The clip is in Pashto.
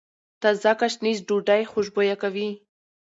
تازه ګشنیز ډوډۍ خوشبويه کوي.